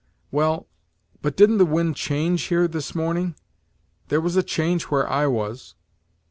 "Well but didn't the wind change here this morning? there was a change where I was."